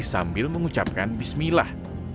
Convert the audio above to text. sambil mengucapkan bismillah